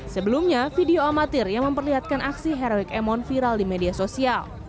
sebelumnya video amatir yang memperlihatkan aksi heroik emon viral di media sosial